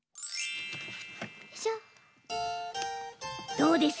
どうです？